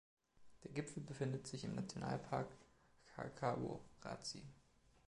Der Gipfel befindet sich im Nationalpark Hkakabo Razi.